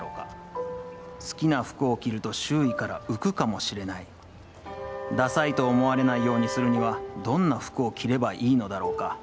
好きな服を着ると周囲から浮くかもしれない、ダサいと思われないようにするにはどんな服を着ればいいのだろうか。